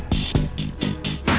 gue pulang aja